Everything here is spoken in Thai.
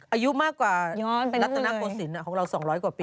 อายุมากกว่ารัตนโกศิลป์ของเรา๒๐๐กว่าปี